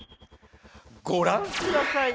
ごらんください！